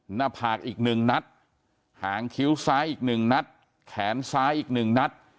หน้าผากอีกหนึ่งนัดหางคิ้วซ้ายอีกหนึ่งนัดแขนซ้ายอีกหนึ่งนัด